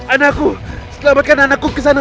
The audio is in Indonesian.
anakku selamatkan anakku ke sana